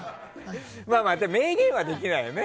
でも明言はできないよね。